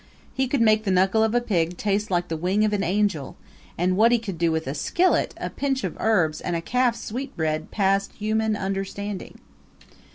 He could make the knuckle of a pig taste like the wing of an angel; and what he could do with a skillet, a pinch of herbs and a calf's sweetbread passed human understanding.